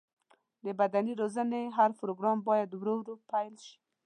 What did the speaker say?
د بدني روزنې هر پروګرام باید ورو ورو پیل شي.